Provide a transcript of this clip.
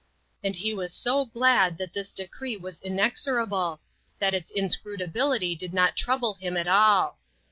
And he was so glad that this de cree was inexorable, that its inscrutability did not trouble him at all.